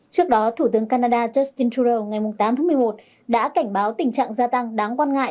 trước đó thủ tướng canada justin trudeau ngày tám tháng một mươi một đã cảnh báo tình trạng gia tăng đáng quan ngại